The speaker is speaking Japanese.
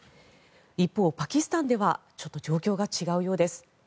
一方、パキスタンではちょっと状況が違うようです。